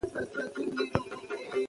زه هر وخت وختي ويده کيږم